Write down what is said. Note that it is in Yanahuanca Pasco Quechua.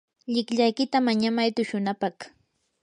llikllaykita mañamay tushunapaq.